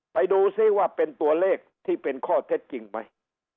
ไปดูซิว่าเป็นตัวเลขที่เป็นข้อเท็จจริงไหม